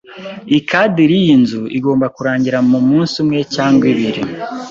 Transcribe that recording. Ikadiri yinzu igomba kurangira mumunsi umwe cyangwa ibiri.